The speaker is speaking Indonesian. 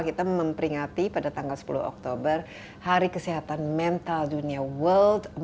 kita memperingati pada tanggal sepuluh oktober hari kesehatan mental dunia world